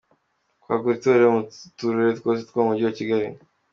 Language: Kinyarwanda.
Kwagura itorero Mu turere twose two mu mujyi wa Kigali.